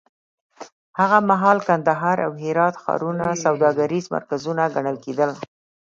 هغه مهال کندهار او هرات ښارونه سوداګریز مرکزونه ګڼل کېدل.